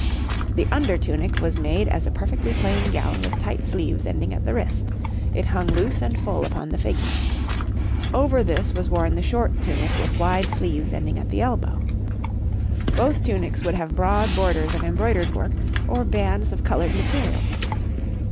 The under tunic was made as a perfectly plain gown with tight sleeves ending at the wrist; it hung loose and full upon the figure. Over this was worn the short tunic with wide sleeves ending at the elbow. Both tunics would have broad borders of embroidered work or bands of coloured material.